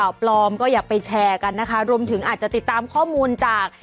ปลอมก็อย่าไปแชร์กันนะคะรวมถึงอาจจะติดตามข้อมูลจาก